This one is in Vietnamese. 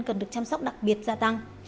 cần được chăm sóc đặc biệt gia tăng